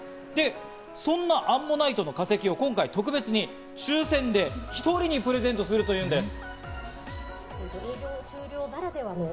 そんなアンモナイトの化石を今回、特別に抽選で１人にプレゼントするというんです。